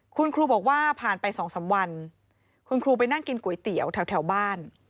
คุณครูบอกว่าผ่านไป๒๓วันคุณครูไปนั่งกินก๋วยเตี๋ยวแถวบ้าน